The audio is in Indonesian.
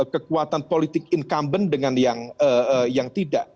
kekuatan politik incumbent dengan yang tidak